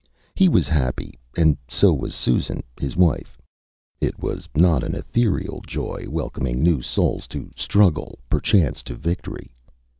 He was happy, and so was Susan, his wife. It was not an ethereal joy welcoming new souls to struggle, perchance to victory.